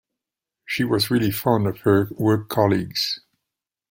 She was really fond of her work colleagues.